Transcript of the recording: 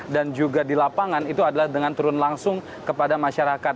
dan juga di lapangan itu adalah dengan turun langsung kepada masyarakat